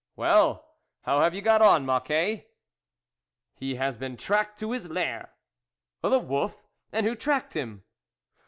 "Well, how have you got on, Moc quet?" " He has been tracked to his lair." " The wolf ? and who tracked him